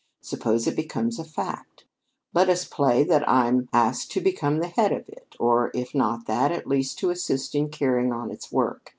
Suppose it becomes a fact. Let us play that I am asked to become the head of it, or, if not that, at least to assist in carrying on its work.